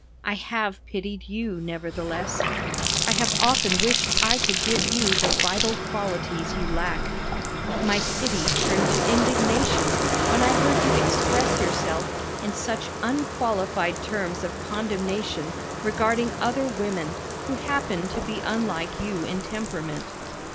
I have pitied you, nevertheless. I have often wished I could give you the vital qualities you lack. My pity turned to indignation when I heard you express yourself in such unqualified terms of condemnation regarding other women who happened to be unlike you in temperament.